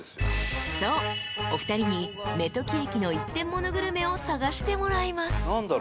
［そうお二人に目時駅の一点モノグルメを探してもらいます］